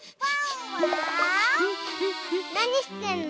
なにしてんの？